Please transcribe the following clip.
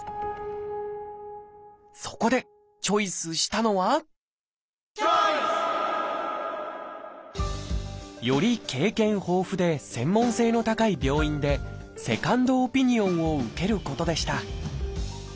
そこでチョイスしたのはより経験豊富で専門性の高い病院でセカンドオピニオンを受けることでした。